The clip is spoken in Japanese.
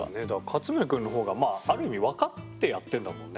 かつむねくんの方がある意味分かってやってんだもんね。